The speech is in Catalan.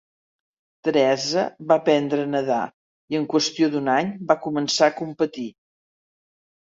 Teresa va aprendre a nedar i en qüestió d'un any va començar a competir.